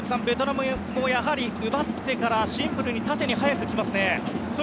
ベトナムも奪ってからシンプルに縦に速くきますね。